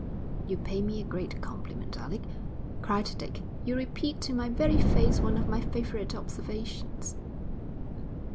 'You pay me a great compliment, Alec,' cried Dick. 'You repeat to my very face one of my favourite observations.'